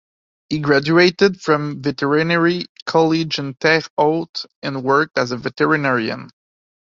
He graduated from the veterinary college in Terre Haute and worked as a veterinarian.